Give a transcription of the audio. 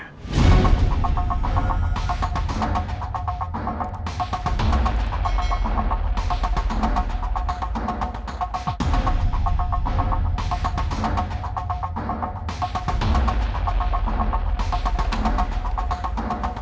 pergi ya spy